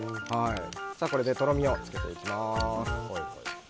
これでとろみをつけていきます。